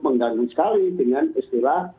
mengganggu sekali dengan istilah